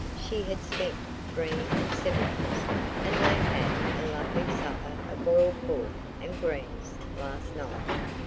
She had spent three and sevenpence, and they had a lovely supper of boiled pork and greens last night.